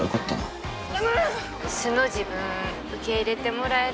素の自分受け入れてもらえるって自信ある？